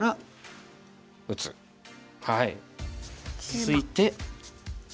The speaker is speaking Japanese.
続いてＢ。